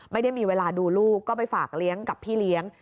ไม่ได้มีเวลาดูลูกก็ไปฝากเลี้ยงกับพี่เลี้ยง